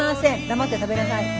黙って食べなさい。